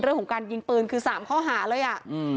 เรื่องของการยิงปืนคือ๓ข้อหาเลยอ่ะอืม